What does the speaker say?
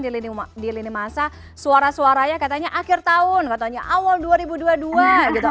di lini masa suara suaranya katanya akhir tahun katanya awal dua ribu dua puluh dua gitu